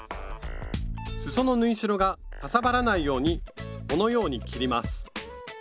すその縫い代がかさばらないようにこのように切ります。